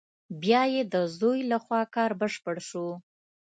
بیا یې د زوی له خوا کار بشپړ شو.